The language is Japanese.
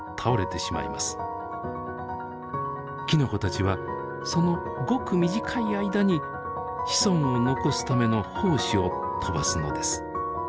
きのこたちはそのごく短い間に子孫を残すための胞子を飛ばすのです。